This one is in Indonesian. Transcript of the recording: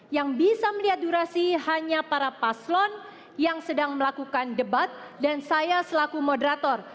yang bisa melihat durasi hanya para paslon yang sedang melakukan debat dan saya selaku moderator